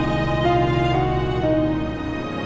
sampai ketemu lagi